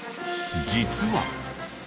実は。